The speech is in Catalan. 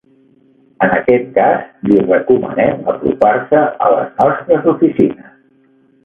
En aquest cas, li recomanem apropar-se a les nostres oficines.